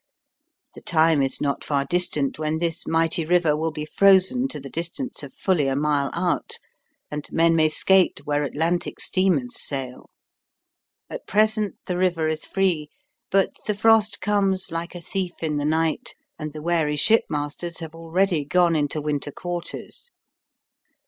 The time is not far distant when this mighty river will be frozen to the distance of fully a mile out, and men may skate where Atlantic steamers sail. At present the river is free, but the frost comes like a thief in the night, and the wary shipmasters have already gone into winter quarters.